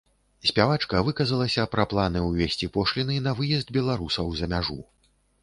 Спявачка выказалася пра планы ўвесці пошліны на выезд беларусаў за мяжу.